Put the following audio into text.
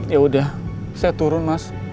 ya udah saya turun mas